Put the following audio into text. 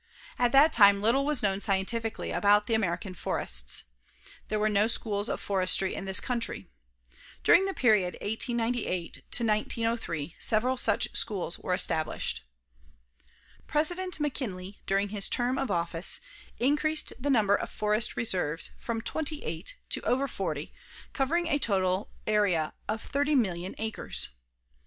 At that time little was known scientifically about the American forests. There were no schools of forestry in this country. During the period 1898 1903, several such schools were established. President McKinley, during his term of office, increased the number of forest reserves from 28 to over 40, covering a total area of 30,000,000 acres.